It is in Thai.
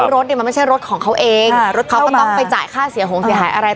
รถเนี่ยมันไม่ใช่รถของเขาเองรถเขาก็ต้องไปจ่ายค่าเสียหงเสียหายอะไร